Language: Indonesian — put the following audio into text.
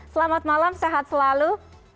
selamat malam sehat selalu